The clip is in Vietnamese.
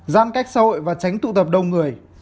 giãn cách xã hội và tránh tụ tập đông người